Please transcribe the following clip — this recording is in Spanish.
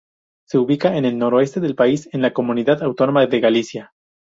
Se ubica en el noroeste del país, en la comunidad autónoma de Galicia.